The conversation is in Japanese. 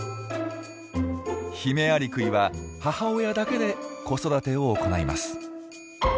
ヒメアリクイは母親だけで子育てを行います。